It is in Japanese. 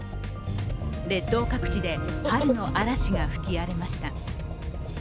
列島各地で春の嵐が吹き荒れました。